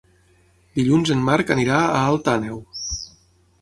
Dilluns en Marc anirà a Alt Àneu.